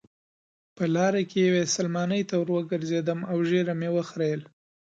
په لاره کې یوې سلمانۍ ته وروګرځېدم او ږیره مې وخریل.